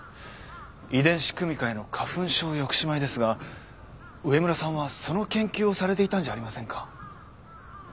遺伝子組み換えの花粉症抑止米ですが上村さんはその研究をされていたんじゃありませんか？